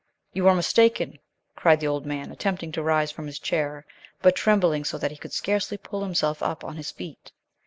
"You are mistaken!" cried the old man, attempting to rise from his chair, but trembling so that he could scarcely pull himself up on his feet.